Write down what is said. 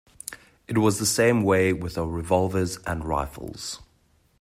It was the same way with our revolvers and rifles.